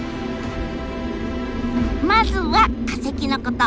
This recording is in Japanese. まずは化石のこと。